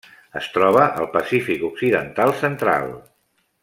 Es troba al Pacífic occidental central.